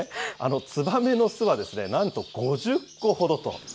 ツバメの巣はなんと５０個ほどと。